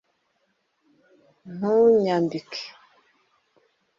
ntunyambike